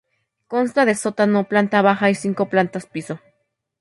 Consta de sótano, planta baja y cinco plantas piso.